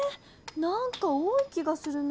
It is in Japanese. なんか多い気がするなぁ。